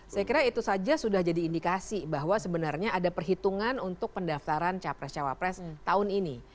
saya kira itu saja sudah jadi indikasi bahwa sebenarnya ada perhitungan untuk pendaftaran capres cawapres tahun ini